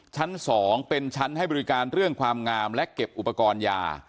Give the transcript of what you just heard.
ชั้น๒เป็นชั้นให้บริการเรื่องความงามและเก็บอุปกรณ์ยา